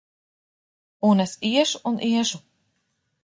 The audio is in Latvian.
Un es iešu un iešu!